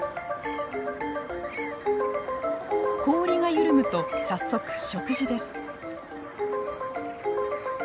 氷が緩むと早速食事です。